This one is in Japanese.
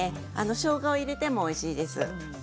しょうがを入れてもおいしいです。